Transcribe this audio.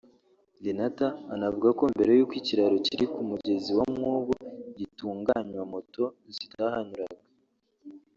Lenata anavuga ko mbere y’uko ikiraro kiri ku mugezi wa Mwogo gitunganywa moto zitahanyuraga